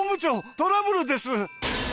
トラブルです！